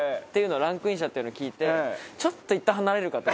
ランクインしたっていうのを聞いてちょっといったん離れるかと。